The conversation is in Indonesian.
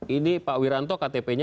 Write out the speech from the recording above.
ini pak wiranto ktp nya aman apa enggak